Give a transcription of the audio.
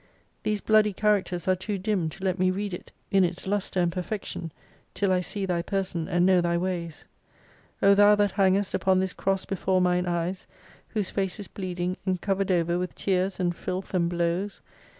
These bloody characters are too dim to let me read it, in its lustre and perfection till I see Thy person, and know Thy ways ! O Thou that hangest upon this Cross before mine eyes, whose face is bleeding, and covered over with tears and filth and blows